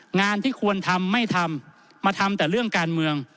งานที่ควรทำไม่ทำมาทำแต่เรื่องการเมือง